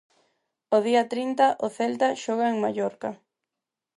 O día trinta, o Celta xoga en Mallorca.